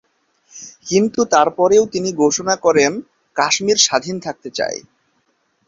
কিন্তু তারপরেও তিনি ঘোষণা করেন, কাশ্মীর স্বাধীন থাকতে চায়।